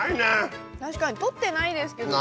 確かに取ってないですけど。